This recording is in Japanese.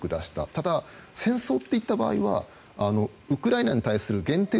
ただ、戦争って言った場合はウクライナに対する限定